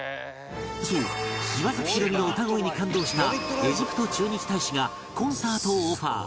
そう岩崎宏美の歌声に感動したエジプト駐日大使がコンサートをオファー